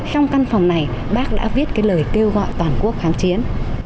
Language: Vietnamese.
trong căn phòng này bác đã viết cái lời kêu gọi toàn quốc kháng chiến